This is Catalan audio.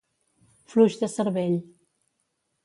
Fluix de cervell.